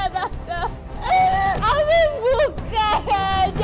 tante tante buka tante